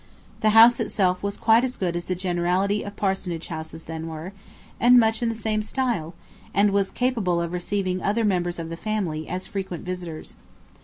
The house itself was quite as good as the generality of parsonage houses then were, and much in the same style; and was capable of receiving other members of the family as frequent visitors.